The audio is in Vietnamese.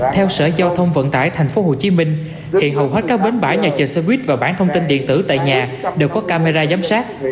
theo sở giao thông vận tải tp hcm hiện hầu hết các bến bãi nhà chờ xe buýt và bản thông tin điện tử tại nhà đều có camera giám sát